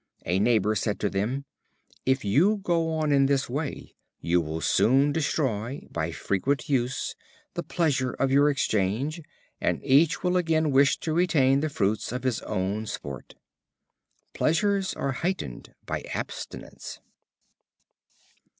A neighbor said to them: "If you go on in this way, you will soon destroy, by frequent use, the pleasure of your exchange, and each will again wish to retain the fruits of his own sport." Pleasures are heightened by abstinence.